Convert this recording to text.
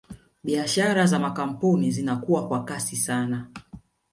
Biashara za makampuni zinakua kwa kasi sana